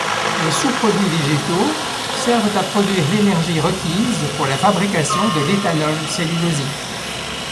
Les sous-produits végétaux servent à produire l'énergie requise pour la fabrication de l'éthanol cellulosique.